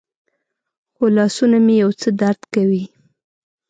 خو لاسونه مې یو څه درد کوي.